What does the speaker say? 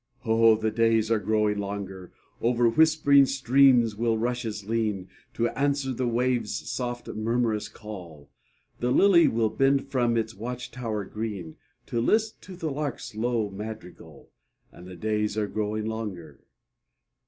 Oh, the days are growing longer; Over whispering streams will rushes lean, To answer the waves' soft murmurous call; The lily will bend from its watch tower green, To list to the lark's low madrigal, And the days are growing longer.